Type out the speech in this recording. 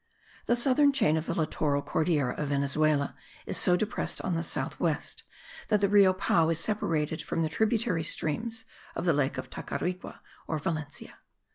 The southern chain of the litteral Cordillera of Venezuela is so depressed on the south west that the Rio Pao is separated from the tributary streams of the lake of Tacarigua or Valencia.